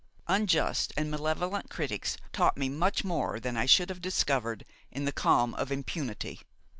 Unjust and malevolent critics taught me much more than I should have discovered in the calm of impunity.